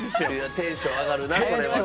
テンション上がる。